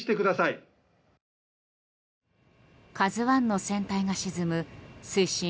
「ＫＡＺＵ１」の船体が沈む水深